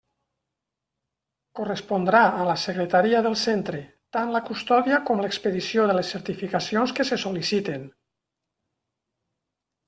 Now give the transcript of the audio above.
Correspondrà a la secretaria del centre tant la custòdia com l'expedició de les certificacions que se sol·liciten.